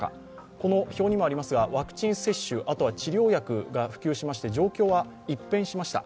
この表にもありますが、ワクチン接種、治療薬が普及しまして状況は一変しました。